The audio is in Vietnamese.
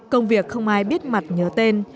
công việc không ai biết mặt nhớ tên